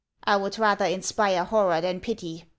I would rather inspire horror than pity.